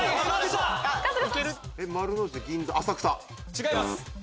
違います。